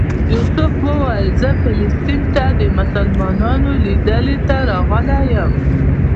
یوسف ویل چې زه فلسطین ته د مسلمانانو لیدلو ته راغلی یم.